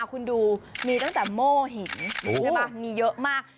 คุณดูมีตั้งแต่โม่หินใช่ไหมมีเยอะมาก